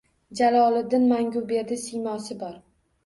‒ Jaloliddin Manguberdi siymosi bor.